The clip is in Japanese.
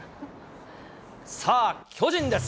さあ、巨人です。